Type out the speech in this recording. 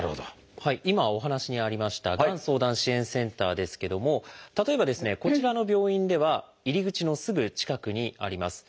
今お話にありましたがん相談支援センターですけども例えばですねこちらの病院では入り口のすぐ近くにあります。